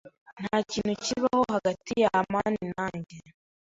Ntakintu kibaho hagati ya amani na njye.